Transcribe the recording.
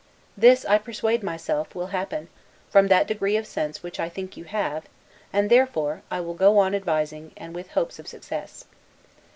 This, I persuade myself, will happen, from that degree of sense which I think you have; and therefore I will go on advising, and with hopes of success.